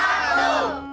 selamat pagi su